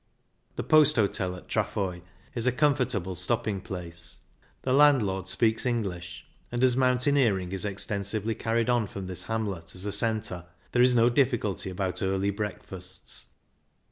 The Post Hotel at Trafoi is a comfort able stopping place — the landlord speaks 26 CYCLING IN THE ALPS English — and, as mountaineering is exten sively carried on from this hamlet as a centre, there is no difficulty about early breakfasts.